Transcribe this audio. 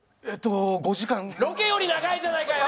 ロケより長いじゃないかよ！